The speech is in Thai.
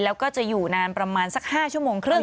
แล้วก็จะอยู่นานประมาณสัก๕ชั่วโมงครึ่ง